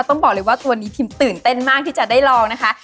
ต้องบอกเลยว่าตัวนี้พิมตื่นเต้นมากที่จะได้ลองนะคะ